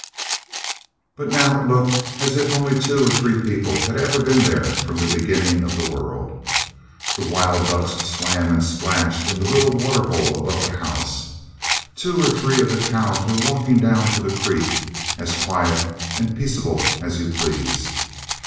But now it looked as if only two or three people had ever been there from the beginning of the world. The wild ducks swam and splashed in the little waterhole above the house. Two or three of the cows were walking down to the creek, as quiet and peaceable as you please.